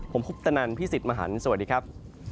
ผมคุปตนันพี่สิทธิ์มหันฯสวัสดีครับ